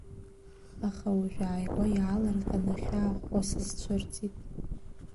Аха уажә ааигәа иаалырҟьаны ахьаа ӷәӷәа сызцәарҵит.